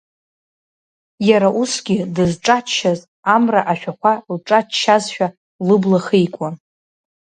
Иара усгьы дызҿаччаз, амра ашәахәа лҿаччазшәа, лыбла хикуан.